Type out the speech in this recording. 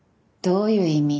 どういう意味？